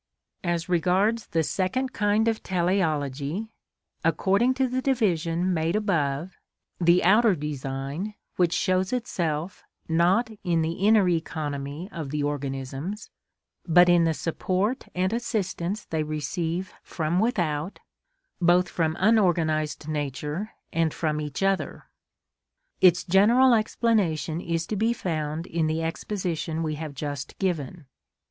(39) As regards the second kind of teleology, according to the division made above, the outer design, which shows itself, not in the inner economy of the organisms, but in the support and assistance they receive from without, both from unorganised nature and from each other; its general explanation is to be found in the exposition we have just given.